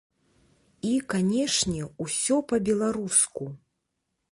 І, канешне, усё па-беларуску!